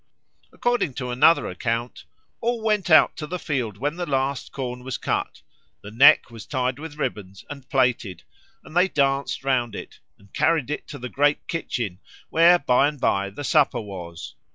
According to another account, "all went out to the field when the last corn was cut, the 'neck' was tied with ribbons and plaited, and they danced round it, and carried it to the great kitchen, where by and by the supper was.